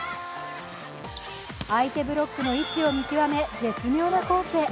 相手ブロックの位置を見極め、絶妙なコースへ。